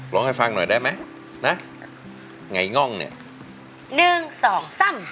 ร้องให้ฟังหน่อยได้ไหมนะไงง่องเนี่ย